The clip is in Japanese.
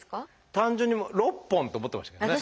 単純に６本って思ってましたけどね。